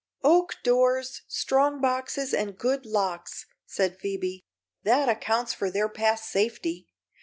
"Oak doors, strong boxes and good locks," said Phoebe; "that accounts for their past safety.